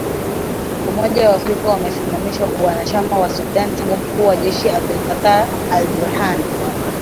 Umoja wa Afrika umeisimamisha uanachama wa Sudan tangu mkuu wa jeshi Abdel Fattah al-Burhan